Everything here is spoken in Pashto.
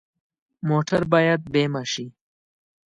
موټر باید بیمه شي.